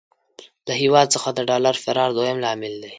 له هېواد څخه د ډالر فرار دويم لامل دی.